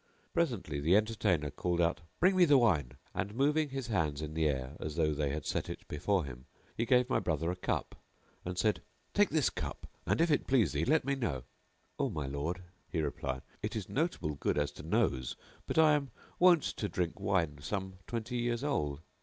Presently the entertainer called out "Bring me the wine;" and, moving his hands in the air, as though they had set it before them, he gave my brother a cup and said, "Take this cup and, if it please thee, let me know." "O my lord," he replied, "it is notable good as to nose but I am wont to drink wine some twenty years old."